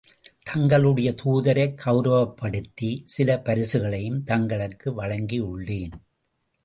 தங்களுடைய தூதரைக் கெளரவப்படுத்தி, சில பரிசுகளையும் தங்களுக்கு வழங்கியுள்ளேன்.